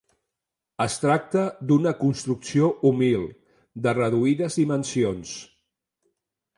Es tracta d'una construcció humil, de reduïdes dimensions.